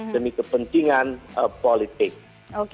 demi kepentingan politik